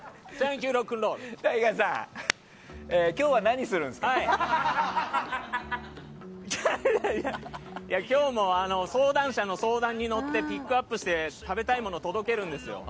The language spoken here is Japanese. ＴＡＩＧＡさん、今日は今日も相談者の相談に乗ってピックアップして食べたいもの届けるんですよ。